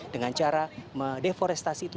dengan cara deforestasi itu